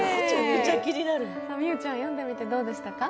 美優ちゃん、読んでみてどうでしたか？